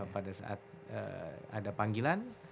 pada saat ada panggilan